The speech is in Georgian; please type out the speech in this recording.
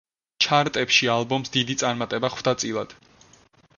ჩარტებში ალბომს დიდი წარმატება ხვდა წილად.